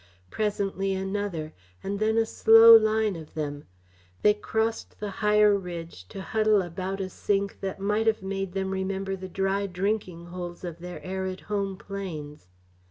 Presently another, and then a slow line of them. They crossed the higher ridge to huddle about a sink that might have made them remember the dry drinking holes of their arid home plains.